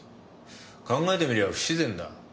考えてみりゃ不自然だ。